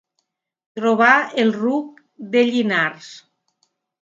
Trobar el ruc de Llinars.